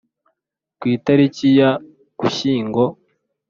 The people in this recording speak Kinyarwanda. Ku itariki ya ugushyingo